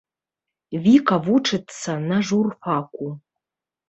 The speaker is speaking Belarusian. Віка вучыцца на журфаку.